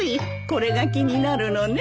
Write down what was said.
これが気になるのね。